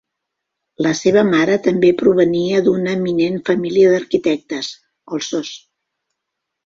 La seva mare també provenia d'una eminent família d'arquitectes, els Shaws.